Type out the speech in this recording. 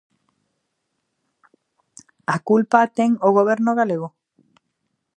¿A culpa a ten o Goberno galego?